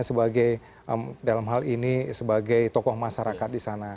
sebagai dalam hal ini sebagai tokoh masyarakat di sana